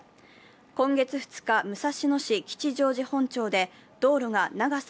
今月２日、武蔵野市吉祥寺本町で道路が長さ